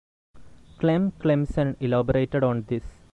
Clem Clempson elaborated on this.